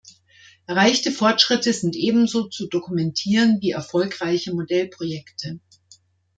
Erreichte Fortschritte sind ebenso zu dokumentieren wie erfolgreiche Modellprojekte.